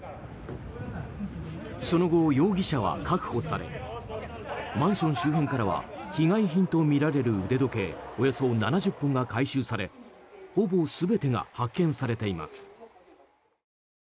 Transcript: その後、容疑者は確保されマンション周辺からは被害品とみられる腕時計およそ７０本が回収されほぼ全てが発見されています。